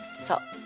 そう。